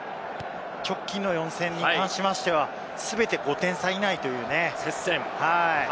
直近の４戦に関しましては全て５点差以内という接戦。